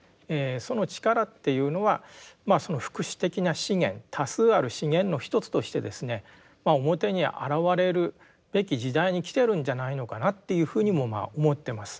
その力っていうのはまあ福祉的な資源多数ある資源の一つとしてですね表に現れるべき時代に来てるんじゃないのかなっていうふうにも思ってます。